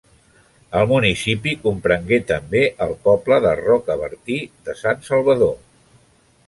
El municipi comprengué, també, el poble de Rocabertí de Sant Salvador.